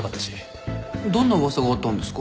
どんな噂があったんですか？